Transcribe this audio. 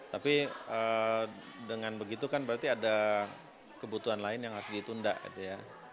tapi dengan begitu kan berarti ada kebutuhan lain yang harus ditunda gitu ya